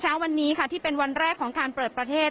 เช้าวันนี้ค่ะที่เป็นวันแรกของการเปิดประเทศ